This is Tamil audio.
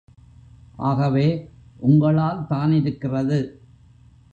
ஆகவே, உங்களால் தானிருக்கிறது.